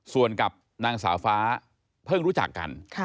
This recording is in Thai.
ส่วนกับนางสาวฟ้าเพิ่งรู้จักกัน